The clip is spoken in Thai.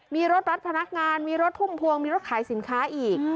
มีรถรับพนักงานมีรถพุ่มพวงมีรถขายสินค้าอีก